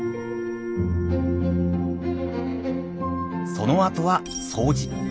そのあとは掃除。